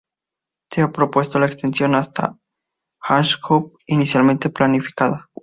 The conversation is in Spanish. Se ha pospuesto la extensión hasta Hangzhou, inicialmente planificada.